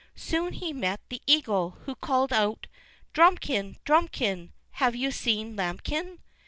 Soon he met the eagle, who called out: "Drumikin! Drumikin! Have you seen Lambikin?"